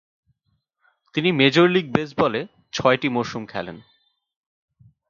তিনি major league বেসবলে ছয়টি মরসুম খেলেন।